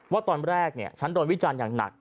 ว่าตอนแรกฉันโดนวิจารณ์อย่างหนัก